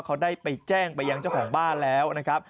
เขาได้ไปแจ้งไปยังเจ้าของบ้านแล้วนะครับ